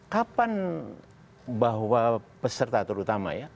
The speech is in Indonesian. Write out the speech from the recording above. kapan bahwa peserta terutama ya